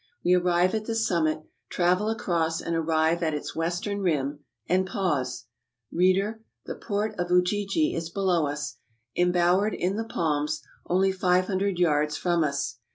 We arrive at the summit, travel across and arrive at its western rim, and — pause, reader — the port of Ujiji is below us, embowered in the palms — only five hundred yards from us.